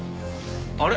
あれ？